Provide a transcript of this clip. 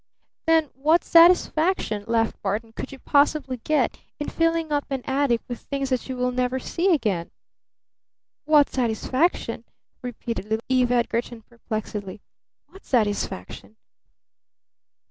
"Then what satisfaction," laughed Barton, "could you possibly get in filling up an attic with things that you will never see again?" "What satisfaction?" repeated little Eve Edgarton perplexedly. "What satisfaction?"